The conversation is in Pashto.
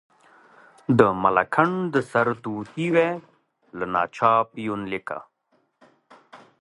د ملکنډ د سرتوتي وی، له ناچاپ یونلیکه.